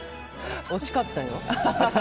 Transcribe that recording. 惜しかったよ。